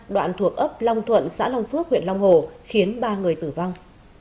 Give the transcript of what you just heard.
đoạn thuộc ấp long thuận xã long phước huyện long hồ khiến ba người tử vong